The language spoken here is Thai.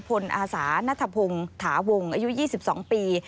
พลอาสานัทพงศ์ถาวงอายุ๒๒ปี